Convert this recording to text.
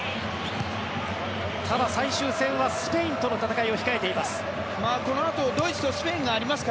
ただ、最終戦はスペインとの戦いを控えています。